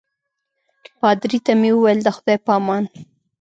پادري ته مې وویل د خدای په امان.